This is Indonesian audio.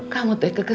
kamu teh kekesekan